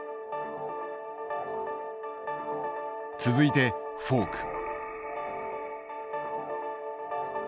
続いてフォーク。